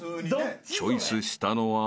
［チョイスしたのは？］